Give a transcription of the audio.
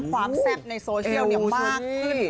ความแซ่บในโซเชียลเนี่ยมากขึ้น